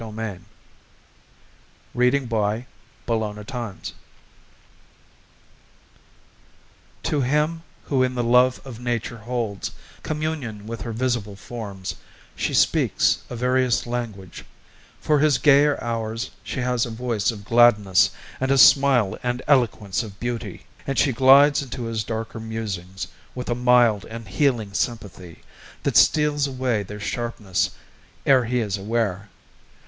WILLIAM CULLEN BRYANT THANATOPSIS To him who in the love of Nature holds Communion with her visible forms, she speaks A various language; for his gayer hours She has a voice of gladness, and a smile And eloquence of beauty, and she glides Into his darker musings, with a mild And healing sympathy, that steals away Their sharpness, ere he is aware.